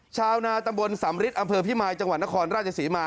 ชาวนาตำบลสำริทอำเภอพิมายจังหวัดนครราชศรีมา